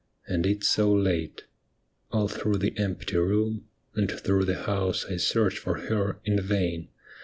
And it so late. All through the empty room And through the house I searched for her in vain.